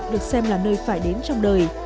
được xem là nơi phải đến trong đời